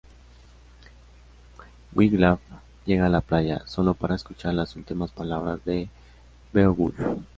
Wiglaf llega a la playa, sólo para escuchar las últimas palabras de Beowulf.